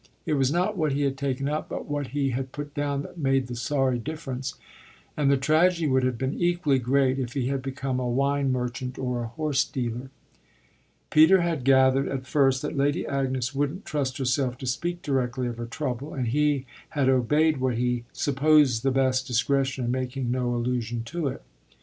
It was not what he had taken up but what he had put down that made the sorry difference, and the tragedy would have been equally great if he had become a wine merchant or a horse dealer. Peter had gathered at first that Lady Agnes wouldn't trust herself to speak directly of her trouble, and he had obeyed what he supposed the best discretion in making no allusion to it.